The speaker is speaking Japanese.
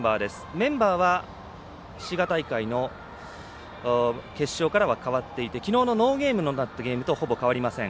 メンバーは滋賀大会の決勝からは変わっていてきのうのノーゲームだった試合とほぼ変わりません。